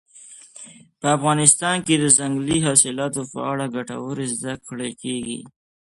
په افغانستان کې د ځنګلي حاصلاتو په اړه ګټورې زده کړې کېږي.